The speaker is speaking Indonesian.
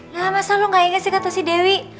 lah masa lu gak inget sih kata si dewi